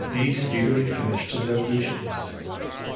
B. speedily finished his ablutions.